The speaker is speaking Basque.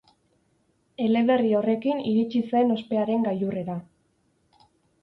Eleberri horrekin iritsi zen ospearen gailurrera.